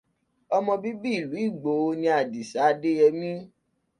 Ọmọ bíbí ìlú Ìgbòho ni Àdìsá Adéyẹmí.